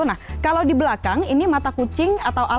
nah kalau di belakang ini mata kucing atau alat